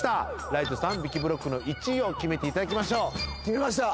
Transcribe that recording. ライトさんびきブロックの１位を決めていただきましょう決めました！